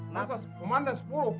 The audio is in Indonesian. masa komandan sepuluh